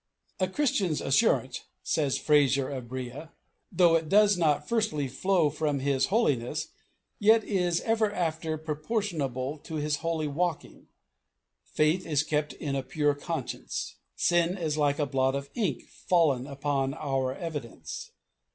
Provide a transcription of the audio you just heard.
"A Christian's assurance," says Fraser of Brea, "though it does not firstly flow from his holiness, yet is ever after proportionable to his holy walking. Faith is kept in a pure conscience. Sin is like a blot of ink fallen upon our evidence.